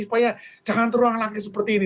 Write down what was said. supaya jangan terulang lagi seperti ini